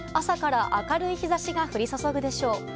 朝から明るい日差しが降り注ぐでしょう。